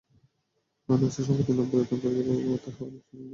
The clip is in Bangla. নুসরা সম্প্রতি নাম পরিবর্তন করে জাবাত ফতেহ আল-শাম নাম ধারণ করেছে।